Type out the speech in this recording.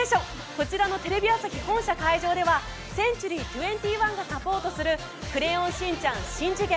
こちらのテレビ朝日本社会場ではセンチュリー２１がサポートするクレヨンしんちゃんしん次元！